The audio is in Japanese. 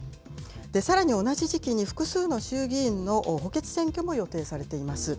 さらに同じ時期に複数の衆議院の補欠選挙も予定されています。